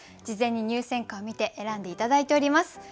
事前に入選歌を見て選んで頂いております。